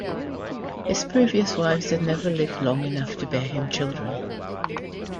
His previous wives had never lived long enough to bear him children.